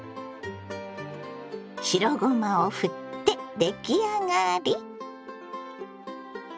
白ごまをふって出来上がり。